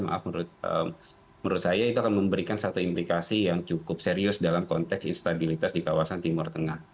maaf menurut saya itu akan memberikan satu implikasi yang cukup serius dalam konteks instabilitas di kawasan timur tengah